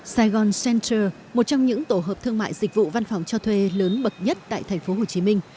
sài gòn center một trong những tổ hợp thương mại dịch vụ văn phòng cho thuê lớn bậc nhất tại thành phố hồ chí minh